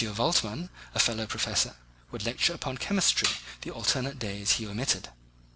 Waldman, a fellow professor, would lecture upon chemistry the alternate days that he omitted.